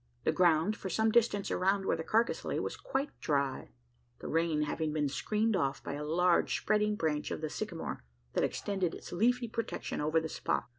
The ground for some distance around where the carcass lay was quite dry: the rain having been screened off by a large spreading branch of the sycamore, that extended its leafy protection over the spot.